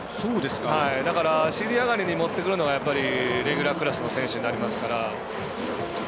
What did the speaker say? だから尻上がりに持ってくるのがレギュラークラスの選手になりますから。